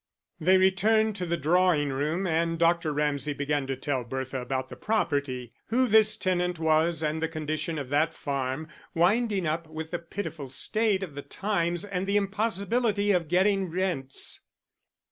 They returned to the drawing room and Dr. Ramsay began to tell Bertha about the property, who this tenant was and the condition of that farm, winding up with the pitiful state of the times and the impossibility of getting rents.